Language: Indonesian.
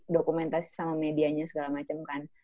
dokumentasi sama medianya segala macem kan